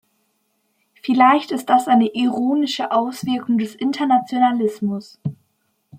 Vielleicht ist das eine ironische Auswirkung des Internationalismus.